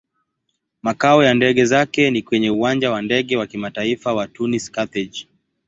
Makao ya ndege zake ni kwenye Uwanja wa Ndege wa Kimataifa wa Tunis-Carthage.